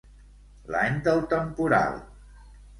L'any del temporal.